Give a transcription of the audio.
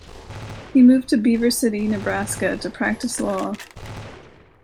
He moved to Beaver City, Nebraska to practice law.